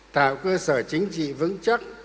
tạo cơ sở chính trị vững chắc